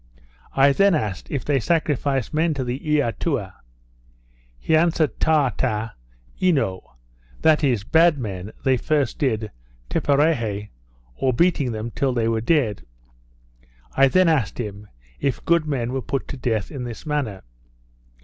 I then asked, If they sacrificed men to the Eatua? He answered Taata eno; that is, bad men they did, first Tipperahy, or beating them till they were dead. I then asked him, If good men were put to death in this manner?